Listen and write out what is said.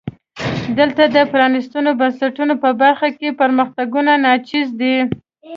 دلته د پرانیستو بنسټونو په برخه کې پرمختګونه ناچیزه دي.